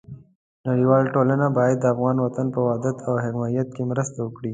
نړیواله ټولنه باید د افغان وطن په وحدت او حاکمیت کې مرسته وکړي.